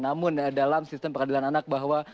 namun dalam sistem peradilan anak bahwa